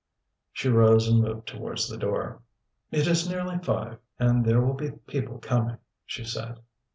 She rose and moved towards the door. "It is nearly five, and there will be people coming," she said.